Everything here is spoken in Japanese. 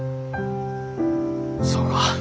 そうか。